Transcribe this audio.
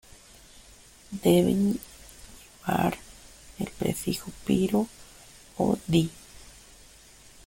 Deben llevar el prefijo piro- o di-.